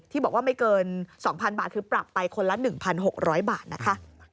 บอกว่าไม่เกิน๒๐๐๐บาทคือปรับไปคนละ๑๖๐๐บาทนะคะ